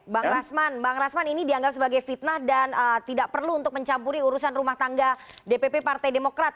bang rasman bang rasman ini dianggap sebagai fitnah dan tidak perlu untuk mencampuri urusan rumah tangga dpp partai demokrat